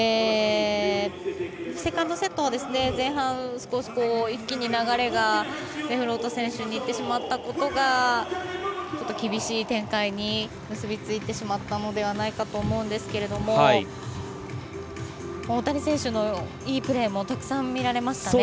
セカンドセットは前半、少し一気に流れがデフロート選手にいってしまったことが厳しい展開に結びついてしまったのではないかと思うんですけど大谷選手のいいプレーもたくさん見られましたね。